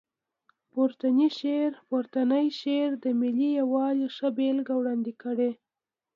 پورتنی شعر د ملي یووالي ښه بېلګه وړاندې کړې.